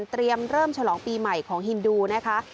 เริ่มฉลองปีใหม่ของฮินดูนะคะ